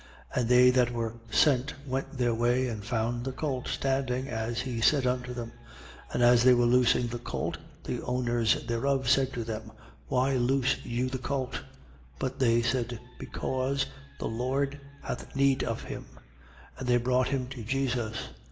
19:32. And they that were sent went their way and found the colt standing, as he said unto them. 19:33. And as they were loosing the colt, the owners thereof said to them: Why loose you the colt? 19:34. But they said: Because the Lord hath need of him. 19:35. And they brought him to Jesus.